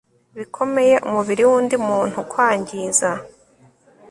bikomeye umubiri w undi muntu kwangiza